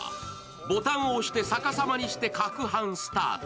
ボタンを押して逆さまにして攪拌スタート。